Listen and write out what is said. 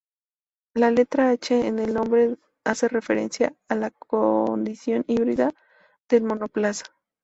La letra "H" en el nombre hace referencia a la condición híbrida del monoplaza.